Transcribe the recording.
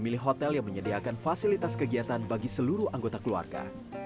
memilih hotel yang menyediakan fasilitas kegiatan bagi seluruh anggota keluarga